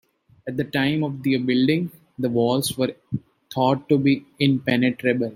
At the time of their building, the walls were thought to be impenetrable.